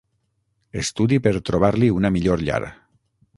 Estudi per trobar-li una millor llar.